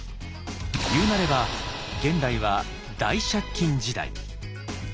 言うなれば現代は大借金時代。